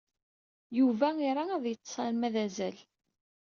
Yuba ira ad yeḍḍes arma d azal.